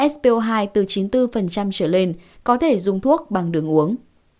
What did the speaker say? s po hai từ chín mươi bốn trở lên có thể dùng thuốc bằng đường uống